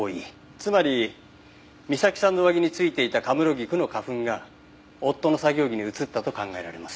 つまりみさきさんの上着についていた神室菊の花粉が夫の作業着に移ったと考えられます。